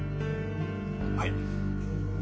はい。